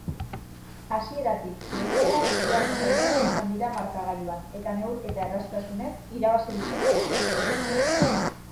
Hasieratik greziarrak jaun eta jabe izan dira markagailuan eta neurketa erraztasunez irabazi dute.